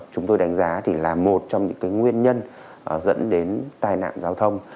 chúng tôi đánh giá thì là một trong những nguyên nhân dẫn đến tai nạn giao thông